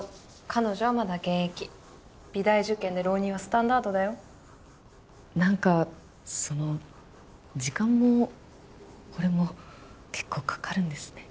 彼女はまだ現役美大受験で浪人はスタンダードだよ何かその時間もこれも結構かかるんですね